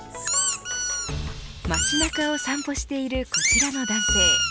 町中を散歩しているこちらの男性。